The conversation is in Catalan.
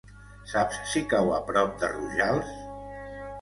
Saps si cau a prop de Rojals?